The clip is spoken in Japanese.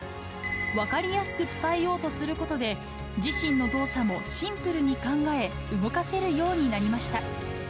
分かりやすく伝えようとすることで、自身の動作もシンプルに考え、動かせるようになりました。